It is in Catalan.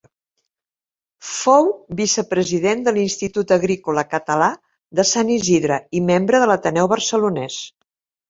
Fou vicepresident de l'Institut Agrícola Català de Sant Isidre i membre de l'Ateneu Barcelonès.